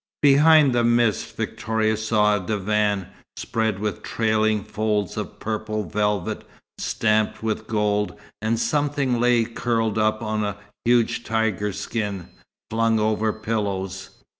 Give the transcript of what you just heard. Behind the mist Victoria saw a divan, spread with trailing folds of purple velvet, stamped with gold; and something lay curled up on a huge tiger skin, flung over pillows.